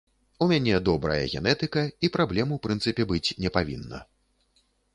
У мяне добрая генетыка, і праблем, у прынцыпе, быць не павінна.